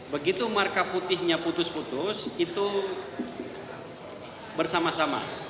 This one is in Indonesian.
begitu marka putihnya putus putus itu bersama sama